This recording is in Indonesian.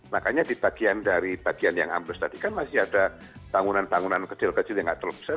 makanya di bagian dari bagian yang ambles tadi kan masih ada bangunan bangunan kecil kecil yang nggak terlalu besar